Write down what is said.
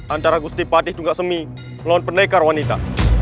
antara gusti patih dunga semi melawan pendekar wanita